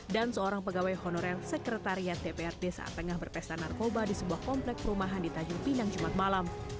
dan seorang pegawai honorer sekretariat dprd saat tengah berpesta narkoba di sebuah komplek perumahan di tanjung pinang jumat malam